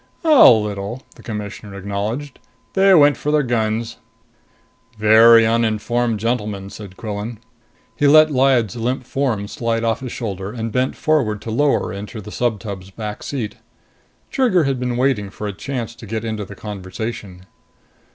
"A little," the Commissioner acknowledged. "They went for their guns." "Very uninformed gentlemen," said Quillan. He let Lyad's limp form slide off his shoulder, and bent forward to lower her into the subtub's back seat. Trigger had been waiting for a chance to get into the conversation.